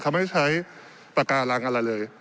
เขาไม่ใช้ปากการังอะไรเลย